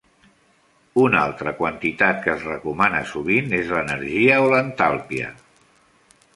Una altra quantitat que es recomana sovint és l'energia o l'entalpia.